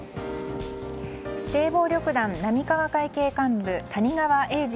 指定暴力団浪川会系幹部谷川英二